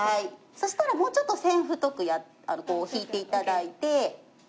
そしたらもうちょっと線太く引いて頂いて。